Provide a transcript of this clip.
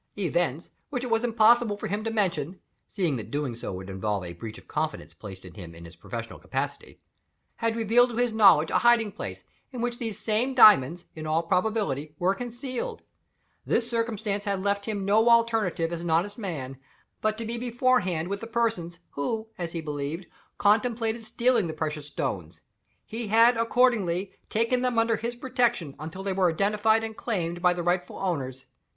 Events, which it was impossible for him to mention (seeing that doing so would involve a breach of confidence placed in him in his professional capacity), had revealed to his knowledge a hiding place in which these same diamonds, in all probability, were concealed. This circumstance had left him no alternative, as an honest man, but to be beforehand with the persons, who (as he believed) contemplated stealing the precious stones. He had, accordingly, taken them under his protection, until they were identified and claimed by the rightful owners.